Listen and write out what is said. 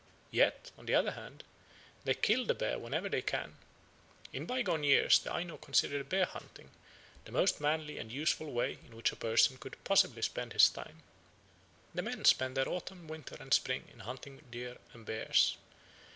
Yet, on the other hand, they kill the bear whenever they can; "in bygone years the Ainu considered bear hunting the most manly and useful way in which a person could possibly spend his time"; "the men spend the autumn, winter, and spring in hunting deer and bears.